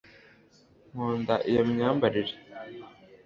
Nkunda iyo myambarire